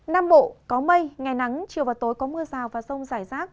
nam bộ có mây ngày nắng chiều và tối có mưa rào và rông rải rác